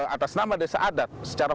atas nama desa adat secara